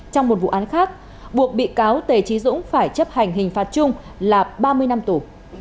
trong một vụ án khác buộc bị cáo tề trí dũng phải chấp hành hình phạt chung là ba mươi năm tù